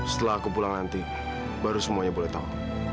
setelah aku pulang nanti baru semuanya boleh tahu